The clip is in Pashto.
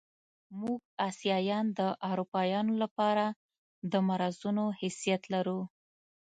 موږ اسیایان د اروپایانو له پاره د مرضونو حیثیت لرو.